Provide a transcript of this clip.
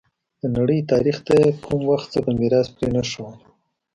د نړۍ تاریخ ته یې کوم څه په میراث پرې نه ښودل.